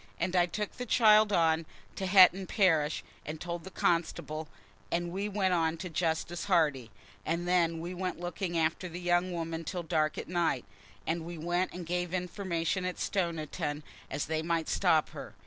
And I took the child on to Hetton parish and told the constable, and we went on to Justice Hardy. And then we went looking after the young woman till dark at night, and we went and gave information at Stoniton, as they might stop her.